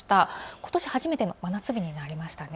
ことし初めての真夏日になりました。